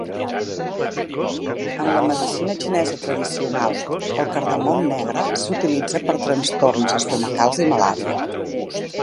En la medicina xinesa tradicional, el cardamom negre s'utilitza per a trastorns estomacals i malària.